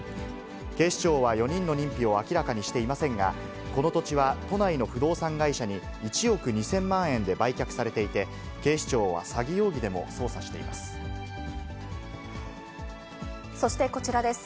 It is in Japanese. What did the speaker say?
警視庁は４人の認否を明らかにしていませんが、この土地は、都内の不動産会社に１億２０００万円で売却されていて、警視庁はそしてこちらです。